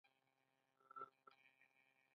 د چین بانکونه د نړۍ لوی بانکونه دي.